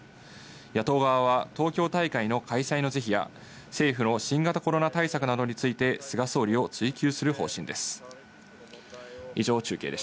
野党側は東京大会の開催の是非や、政府の新型コロナウイルス対策などについて菅総理を追及する方針です。